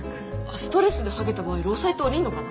ストレスではげた場合労災って下りんのかな？